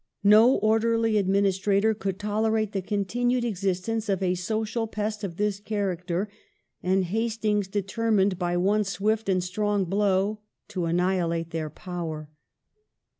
No orderly admini strator could tolerate the continued existence of a social pest of this character, and Hastings determined by one swift and strong blow to annihilate their power.